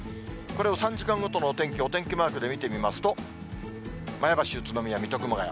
これを３時間ごとのお天気、お天気マークで見てみますと、前橋、宇都宮、水戸、熊谷。